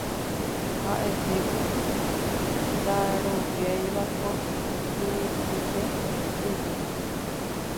ha'ete ku ndaroviáiva ko tyvytýpe jeju